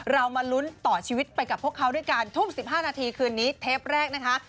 มาลุ้นต่อชีวิตไปกับพวกเขาด้วยการทุ่ม๑๕นาทีคืนนี้เทปแรกนะคะ